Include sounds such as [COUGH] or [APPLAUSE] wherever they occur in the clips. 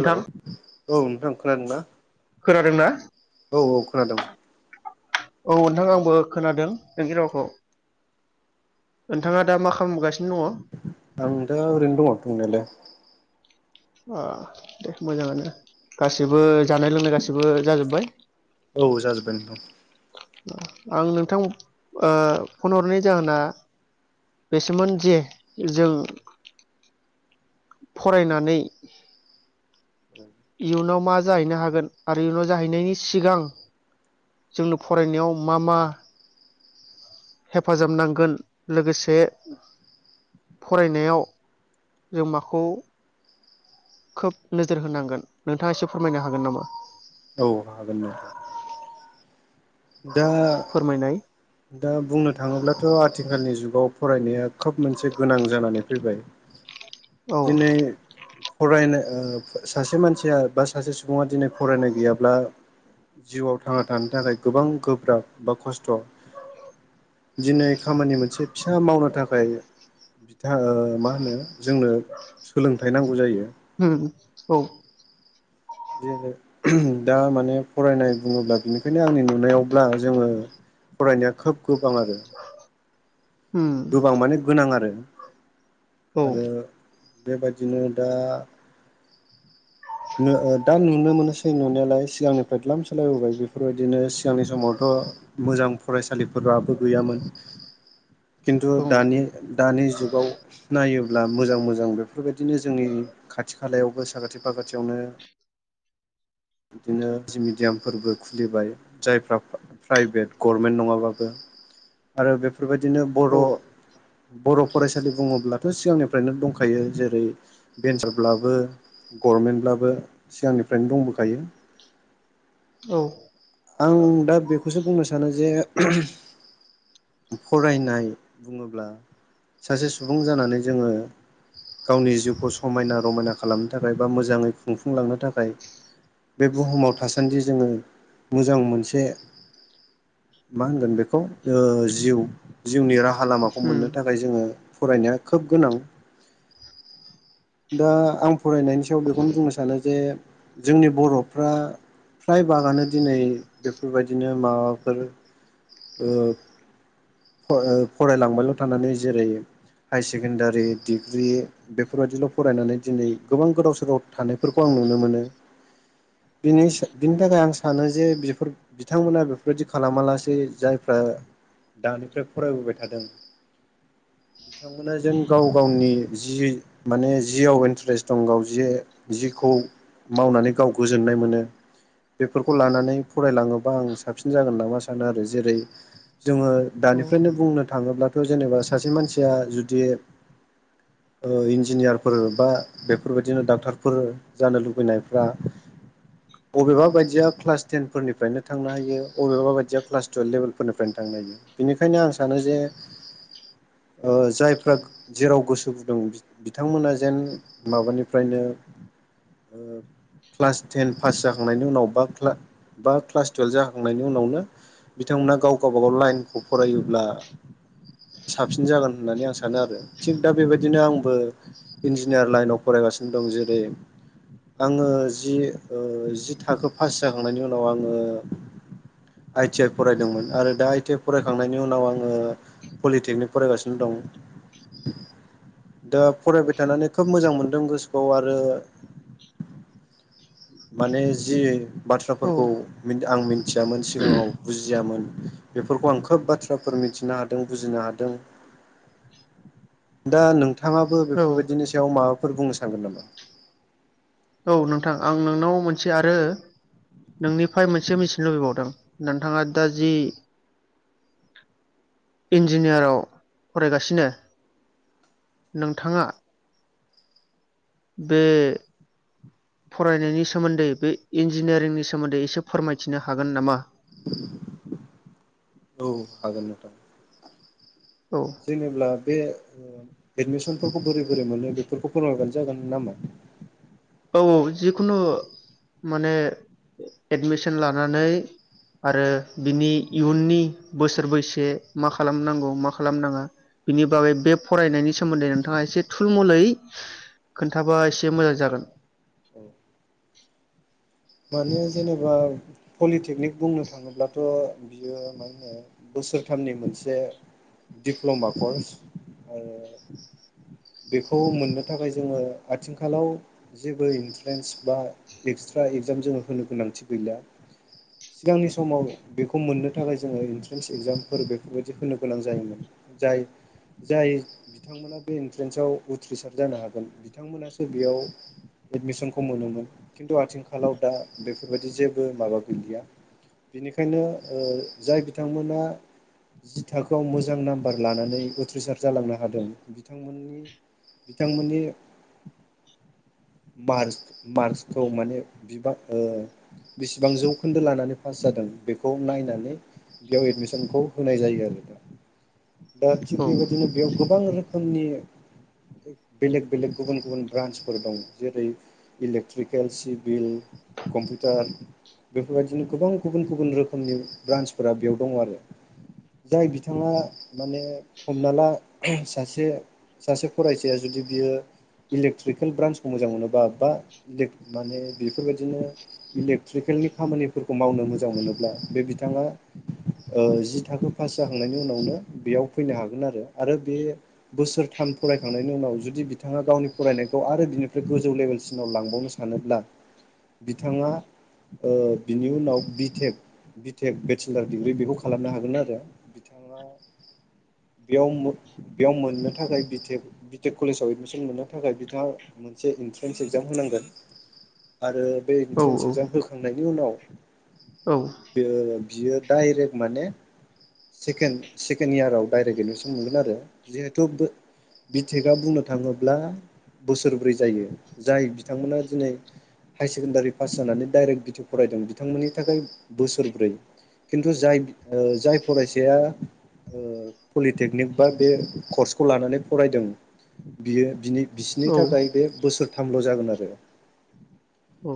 हेल औ नोंथां। खोनादोंना। खोनादोंना। औ औ खोनादों। औ नोंथां आंबो खोनादों नोंखि रावखौ नोंथाङा दा मा खालामगासि। आं नोंथां आं‌ ओरैनो दं दंनायालाय। अ दे मोजांआनो। गासिबो जानाय लोंनाय गासि। बो जाजोब्बाय। औ जाजोबबाय नोंथां आं नोंथां आ- फन हरनाय जाहोना बेसोमोन जे जों। फरायनानै। इयुनाव मा जाहैनो हागोन आरो इयुनाव जाहैनायनि सिगां। जोंनो फरायनायाव मा मा हेफाजाब नांगोन लोगोसे फरायनायाव जों माखौ खोब नोजोर होनांगोन नोंथाङा एसे फोरमायनो हागोन नामा। औ हागोन नोंथां। दा फोरमायनाय दा बुंनो थाङोब्लाथ आथिखालनि जुग। गाव फरायनाया खोब मोनसे गोनां जानानै फैबाय। औ जेनै। फरायनो-आ सासे मानसिया बा सासे। बुङा दिनै फरायनाय गैयाब्ला। जिउआव थांना थानो थाखाय। गोबां गोब्राब बा खस्थ दिनै खामानि मोनसे फिसा मावनो थाखाय बिथा आ-मा होनो जोंनो सोलोंथाइ नांगौ जायो। ह [UNINTELLIGIBLE] औ। जेर दा माने फरायनाय बुङोब्ला बिनिखायनो आंनि नुनायावब्ला जोङो फरायनाया खोब गोबां आरो। उम गोबां माने गोनां आरो औ आरो बेबायदिनो दा नो दा नुनो मोनोसै नुनायालाय सिगांनिफ्राय द्लाम सालायबोबाय बेफोरबायदिनो सिगांनि समावथ' मोजां फरायसालिफोराबो गैयामोन खिन्थु औ दानि दानि जुगाव नायोब्ला मोजां मोजां बेफोरबायदिनो जोंनि खाथि खालायावबो साखाथि फाखाथियावनो बिदिनो जि मिडियामफोरबो खुलिबाय जायफ्रा प्राइभेट गभर्मेन्ट नङाबाबो आरो बेफोरबायदि बिदिनो बर' औ बर' फरायसालि बुङोब्लाथ' सिगांनिफ्रायनो दंखायो जेरै भन्सारब्लाबो गभनमेन्टब्लाबो सिगांनिफ्रायनो दंबोखायो खायो औ आं दा बेखौसो बुंनो सानो जे फरायनाय बुङोब्ला सासे सुबुं जानानै जोङो गावनि जिउखौ समायना रमायना खालामनो थाखाय बा मोजाङै खुंफुंलांनो थाखाय बे बुहुमाव थासान्दि जोङो मोजां मोनसे मा होनगोन बेखौ ओ जिउ जिउनि राहा लामाखौ उम मोननो थाखाय जोङो फरायनाया खोब गोनां दा आं फरायनायनि सायाव बेखौनो बुंनो सानो जे जोंनि बर'फ्रा फ्राय बागानो दिनै बेफोरबायदिनो माबाफोर ओ ओ फरायलां बायल' थानानै जेरै हायार सेकेणडारि डिग्रि बेफोरबायदिल' फरायनानै दिनै गोबां गोदाव सोराव थानायफोरखौ आं नुनो मोनो बिनि बिनि थाखाय आं सानो जे बेफोर बिथांमोना बेफोरबायदि खालामालासै जायफ्रा दानिफ्राय फरायबोबाय थादों बिथांमोना जेन गाव गावनि जि माने जियाव इन्टारेस्ट दं गाव जि जिखौ मावनानै गाव गोजोननाय मोनो बेफोरखौ लानानै फरायलाङोबा आं साबसिन जागोन नामा सानो आरो जेरै जोङो औ दानिफ्रायनो बुंनो थाङोब्लाथ' जेनेबा सासे मानसिया जुदि ओ इन्जिनियारफोर बा बेफोरबायदिनो डाक्टरफोर जानो लुबैनायफ्रा अबेबा बायदिया क्लास टेन फोरनिफ्रायनो थांनो हायो बबेबा बायदिया क्लास टुवेल्भ लेभेलफोरनिफ्रायनो थांनो हायो बिनिखायनो आं सानो जे ओ जायफ्रा जेराव गोसो गुदुं बिथांमोना जेन माबानिफ्रायनो ओ क्लास टेन पास जाखांनायनि उनाव बा बा क्लास टुवेल्भ जाखांनायनि उनावनो बिथांमोना गाव गावबागाव लाइनखौ फरायोब्ला साबसिन जागोन होननानै आं सानो आरो थिग दा बेबायदिनो आंबो इन्जिनियार लाइनाव फरायगासिनो दं जेरै आङो जि ओ जि थाखो पास जाखांनायनि उनाव आङो आइ टि आइ फरायदोंमोन आरो दा आइ टि आइ फरायखांनायनि उनाव आङो पलिटेकनिक फरायगासिनो दं दा फरायबाय थानानै खोब मोजां मोनदों गोसोखौ आरो माने जि बाथ्राफोरखौ मिन आं मिथियामोन सिगाङाव बुजियामोन बेफोरखौ आं खोब बाथ्राफोर मिथिनो हादों बुजिनो हादों दा नों बिथाङाबो औ बेफोर बायदिनि सायाव माबा फोर बुंनो सानगोन नामा? औ नोंथां आं नोंनाव मोनसे आरो नोंनिफ्राय मोनसे मिथिनो लुबैबावदों नोंथाङा दा जि इन्जिनियाराव फरायगासिनो नोंथाङा बे फरायनायनि सोमोन्दै बे इन्जिनियारिंनि सोमोन्दै एसे फोरमायथिनो हागोन नामा? औ हागोन नोंथां औ जेनेबा बे ओ एदमिसनफोरखौ बोरै बोरै मोनो बेफोरखौ फोरमायबानो जागोन नामा? औ औ जिखुनु माने एडमिसन लानानै आरो बिनि इयुननि बोसोर बैसे मा खालामनांगौ मा खालामनाङा बिनि बागै बे फरायनायनि सोमोन्दै नोंथाङा एसे थुल मुलै खोन्थाबा एसे मोजां जागोन माने जेनेबा पलिटेकनिक बुंनो थाङोब्लाथ' बियो मा होनो बोसोरथामनि मोनसे दिप्ल'मा कर्स आरो बेखौ मोननो थाखाय जोङो आथिंखालाव जेबो इन्ट्रेन्स बा एक्सट्रा एगजाम जाम जोङो गोनांथि गैला सिगांनि समाव बेखौ मोननो थाखाय जोङो इन्ट्रेन्स एगजामफोर बेफोरबायदि होनो गोनां जायोमोन जाय जाय बिथांमोना बे इन्ट्रेन्सआव उथ्रिसार जानो हागोन बिथांमोनासो बेयाव एडमिसनखौ मोनोमोन खिन्थु आथिखा खालाव दा बेफोरबायदि जेबो माबा गैलिया बेनिखायनो ओ जाय बिथांमोना जि थाखोआव मोजां नामबार लानानै उथ्रिसार जालांनो हादों बिथांमोननि बिथांमोननि मारस मारसखौ माने बिबां ओ बिसेबां जौखोन्दो लानानै पास जादों बेखौ नायनानै बेयाव एडमिसनखौ होनाय जायो आरो दा दा थिग औ बेबायदिनो बेयाव गोब गोबां रोखोमनि बेलेक बेलेक गुबुन गुबुन ब्रान्सफोर दं जेरै इलेक्ट्रिकेल सिफ बिल कम्पिउटार बेफोरबायदिनो गोबां गुबुन गुबुन रोखोमनि ब्रान्सफोरा बेयाव दङ आरो जाय बिथाङा माने हमना ला सासे सासे फरायसाया जुदि बियो इलेकट्रिकेल ब्रान्सखौ मोजां मोनोबा बा ब्लेग माने बेफोरबायदिनो इलेक्ट्रिकेलनि खामानिफोरखौ मावनो मोजां मोनोब्ला बे बिथाङा जि थाखो पास जाखांनायनि उनावनो बेयाव फैनो हागोन आरो आरो बे बोसोरथाम फरायखांनायनि उनाव जुदि बिथाङा गावनि फरायनायखौ आरो बिनिफ्राय गोजौ लेभेलसिनाव लांबावनो सानोब्ला बिथाङा बिनि उनाव बिटेक बिटेक बेचलार डिग्रि बेखौ खालामनो हागोन आरो बिथाङा बेयाव बेयाव मोननो थाखाय बिटेक कलेजाव एदमिसन मोननो थाखाय बिथाङा मोनसे इन्ट्रेन्स एक्जाम होनांगोन आरो बे औ इन्ट्रन्स एक्जाम फोरखौ थांनायनि उनाव औ बे बियो डायरेक्ट माने सेके सेकेणड इयाराव डायरेक्ट एडमिसन मोनगोन आरो जिहेथु बिटेकआ बुंनो थाङोब्ला बोसोरब्रै जायो जाय बिथांमोना दिनै हायार सेकेणडारि पास जानानै दडाइरेक्ट बिटि फरायदों बिथांमोननि थाखाय बोसोरब्रै खिन्थु जाय जाय फरायसाया पलिटेकनिक बा बे कर्सखौ लानानै फरायदों बियो बिनि बिसोरनि औ थाखाय बे बोसोर थामल' जागोन आरो औ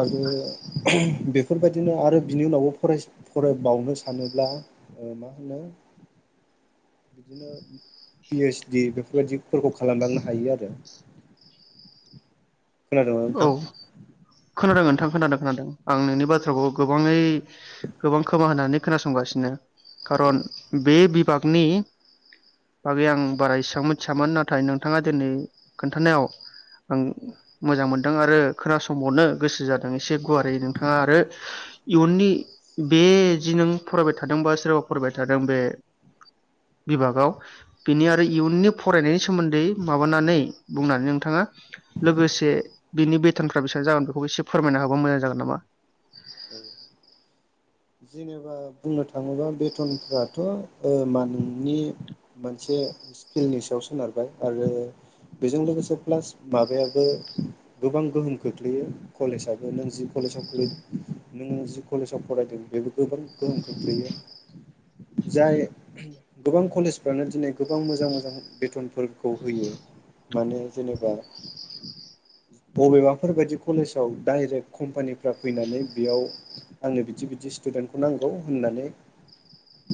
आरो बेफोरबायदिनो आरो बिनि उनावबो फरायबावनो सानोब्ला मा होनो बिदिनो पिओइसडि बेफोरबायदिफोरखौ खालामलांनो हायो आरो खोनादोंना औ नोंथां खोनादों आदा नोंथां खोनादों खोनादों आं नोंनि बाथ्राखौ गोबाङै गोबां खोमा होननानै खोनासंगासिनो औ खारन बे बागनि बागै आं बारा इसेबां मिथियामोन नाथाय नोंथाङा दिनै खोन्थानायाव आं औ मोजां मोनदों आरो खोनासावनो गोसो जादों एसे गुवारै नोंथाङा आरो इयुननि बे जि नों फरायबाय थादोंबा सोरबा फरायबाय थादों बे बिभागाव बिनि आरो इयुननि फरायनायनि सोमोन्दै माबानानै बुंनानै नोंथाङा लोगोसे बिनि बेथनफ्रा बेसेबां जागोन बेखौ एसे फोरमायनो हाबा मोजां जागोन नामा? [INAUDIBLE] जेनेबा बुंनो थाङोबा बेथनफथ' मा नोंनि मोनसे स्किल्डनि सायाव सोनारबाय आरो बेजों लोगोसे प्लास माबायाबो गोबां गोहोम खोख्लैयो कलेजआबो नों जि कलेजाव खो नोङो जि कलेजाव फरायदों बेबो गोबां गोहोम खोख्लैयो जाय गोबां कलेजफ्रानो दिनै गोबां मोजां मोजां बेथनफोरखौ होयो माने जेनेबा बबेबाफोरबायायदि कलेजाव डाइरेक्ट कम्पानिफ्रा फैनानै बेयाव आंनो बिदि बिदि स्टुडेन्टखौ नांगौ होननानै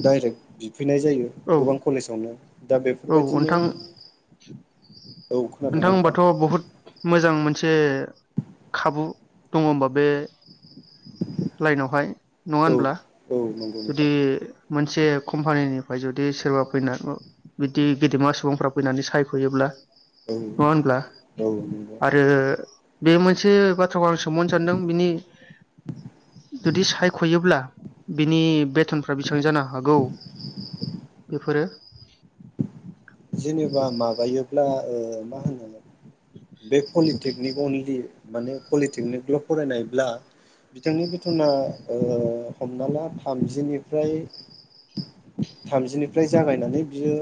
डाइरेक्ट बि फैनाय जायो औ गोबां कलेजावनो दा औ बेफोरबायदिनो नोंथां औ नोंथां खोनादोंना होनबाथ' बहुत मोज जां मोनसे खाबु दङ' होनोमबा बे लाइनावहाय नङा औ होनब्ला? औ नंगौ जुदि नोंथां मोनसे कम्पानिनिफ्राय जुदि सोरबा फैना बिदि गेदेमा सुबुंफ्रा फैनानै सायख'योब्ला औ नङा होनब्ला औ नंगौ आरो बे मोनसे बाथ्राखौ आं सोंबावनो सानदों बिनि जुदि सायख'योब्ला बिनि बे बोथोनफ्रा बेसेबां जानो हागौ बेफोरो जेनेबा माबायोब्ला ओ मा होनो बे पलिटेकनिक अनलि माने पलिटेकनिकल' फरायनायब्ला बिथांनि बिथथना हमना लाामजिनिफ्राय थामजिनिफ्राय जागायनानै बियो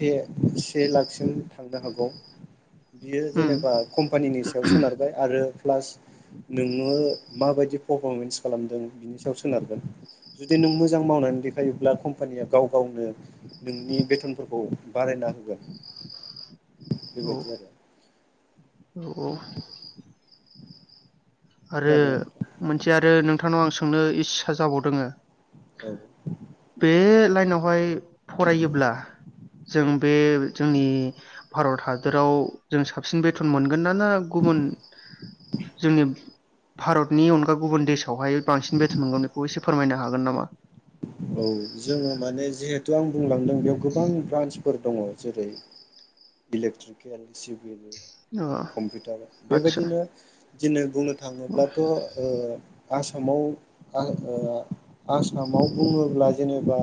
से से लाखसिम थांनो हागौ बियो उम जेनेबा कम्पानिनि सायाव सोनारबाय आरो प्लास नोङो माबायदि पारफरमेन्स खालामदों बिनि सायाव सोनारगोन जुदि नों मोजां मावनानै देखायोब्ला कम्पानिया गाव गावनो नोंनि बेथनफोरखौ बारायना होगोन। औ बेबायदि आरो औ औ आरो खोनादों मोनसे आरो नोंथांनाव आं सोंनो इ होजाबावदोङो औ लाइनावहाय फरायोब्ला जों बे जोंनि भारत हादोराव जों साबसिन बेथन मोनगोन ना ना गुबुन जोंनि भारतनि अनगा गुबुन देसआवहाय बांसिन बेथन मोनगोन बेखौ एसे फोरमायनो हागोन नामा? औ जोङो माने जिहेथु आं बुंलांदों बेयाव गोबां ब्रान्सफोर दङ जेरै इलेक्ट्रिकेल सिभिल अ कम्पिउटार आदसा बेबायदिनो दिनै बुंनो थाङोब्लाथ' ओ आसा [UNINTELLIGIBLE] आ ओ आसामाव बुङोब्ला जेनेबा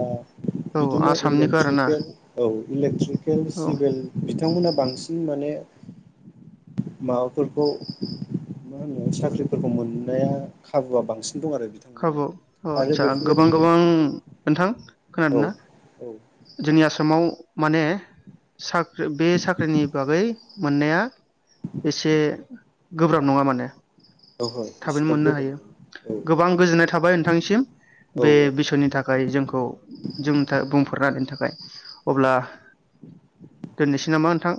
औ बिदिनो आसामनिखौ आरोना इलेक्ट्रिकेल औ इलेक्ट्रिकेल औ सिभिल बिथांमोना बांसिन माने माबाफोरखौ मा होनो साख्रिफोरखौ मोननाया खाबुआ बांसि खाबु अ आदसा गोबां गोबां नोंथां औ खोनादोना औ जोंनि आसामाव माने साख्रि बे साख्रिनि बागै मोननाया एसे गोब्राब नङा माने ओहो थाबैनो इसिग्राब मोननो गोबाव हायो नङा औ गोबां गोजोननाय थाबाय नोंथांनिसिम औ बे बिसयनि थाखाय जोंखौ जों था बुंफोरना होनायनि थाखाय औ अब्ला दोननोसै नामा नोंथां?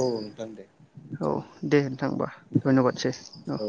औ नोंथां दे। औ जागोन दे नोंथां होमबा औ धन्य'बादसै औ।